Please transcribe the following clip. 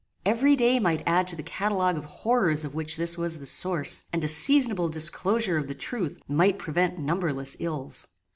Every day might add to the catalogue of horrors of which this was the source, and a seasonable disclosure of the truth might prevent numberless ills.